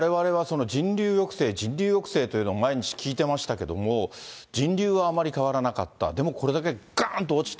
われわれは人流抑制、人流抑制というのを毎日聞いてましたけれども、人流はあまり変わらなかった、でもこれだけがーんと落ちた。